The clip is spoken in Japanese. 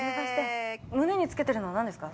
胸につけているのは、何ですか？